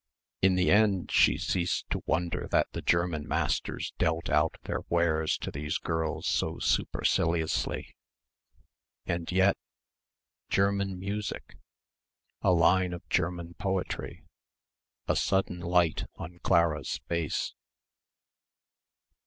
In the end she ceased to wonder that the German masters dealt out their wares to these girls so superciliously. And yet ... German music, a line of German poetry, a sudden light on Clara's face....